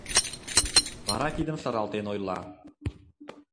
Вара кидым шаралтен ойла: